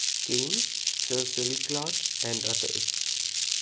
Cain, Sir Cyril Clarke and others.